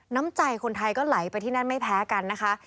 น้ำใจคนไทยก็ไหลไปที่นั่นไม่แพ้กันนะคะ